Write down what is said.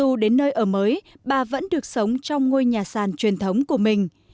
cũng cả là dù đến nơi ở mới bà vẫn được sống trong ngôi nhà sàn truyền thống của mình